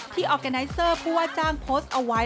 ที่ออร์แกนไซเซอร์ภูวาจ้างโพสต์เอาไว้